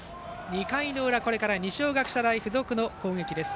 ２回の裏、これから二松学舎大付属の攻撃です。